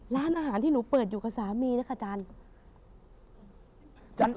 ร้านอาหารที่หนูเปิดอยู่กับสามีนะคะอาจารย์